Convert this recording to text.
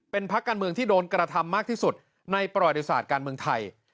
เป็นพักการเมืองที่โดนกระทำมากที่สุดในประวัติศาสตร์การเมืองไทย